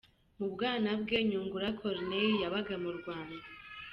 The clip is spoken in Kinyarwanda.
Mu bwana bwe, Nyungura Corneille yabaga mu Rwanda.